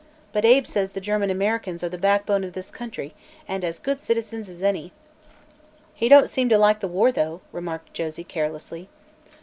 But Abe says the German Americans are the back bone of this country, and as good citizens as any." "He don't seem to like the war, though," remarked Josie carelessly.